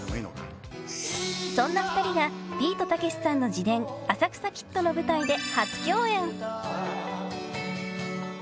そんな２人がビートたけしさんの自伝「浅草キッド」の舞台で初共演。